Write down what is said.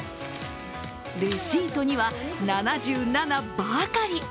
レシートには「７７」ばかり。